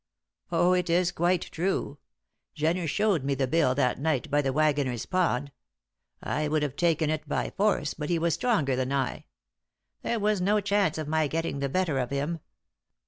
Oh, it is quite true. Jenner shewed me the bill that night by the Waggoner's Pond. I would have taken it by force, but he was stronger than I; there was no chance of my getting the better of him.